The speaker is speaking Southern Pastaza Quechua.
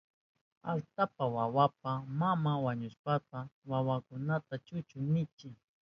Atallpa wawapa maman wañushpan wawastukunata chunchu ninchi.